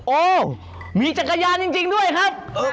โอ้มีจักรยานจริงด้วยครับ